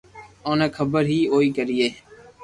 اوني خبر ھي اوئي ڪرئي